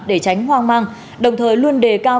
để tránh hoang mang đồng thời luôn đề cao